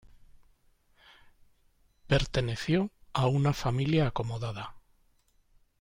Perteneció a una familia acomodada.